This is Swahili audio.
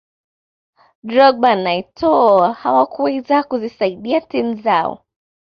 drogba na etoo hawakuweza kuzisaidia timu zao